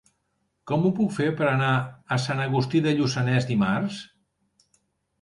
Com ho puc fer per anar a Sant Agustí de Lluçanès dimarts?